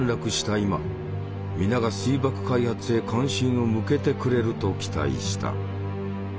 今皆が水爆開発へ関心を向けてくれると期待した。